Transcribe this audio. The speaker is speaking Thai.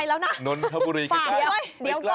ทันนะฉันไปแล้วนะ